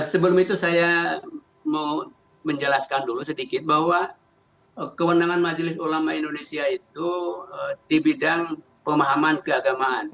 sebelum itu saya mau menjelaskan dulu sedikit bahwa kewenangan majelis ulama indonesia itu di bidang pemahaman keagamaan